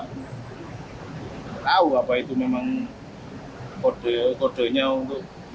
nggak tahu apa itu memang kode kodenya untuk